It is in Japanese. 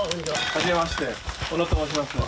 はじめまして小野と申します。